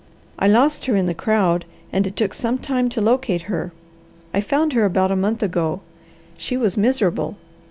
I lost her in the crowd and it took some time to locate her. I found her about a month ago. She was miserable.